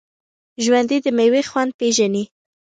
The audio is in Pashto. ژوندي د میوې خوند پېژني